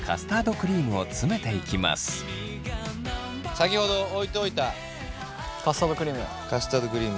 先ほど置いといたカスタードクリーム。